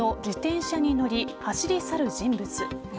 この自転車に乗り走り去る人物。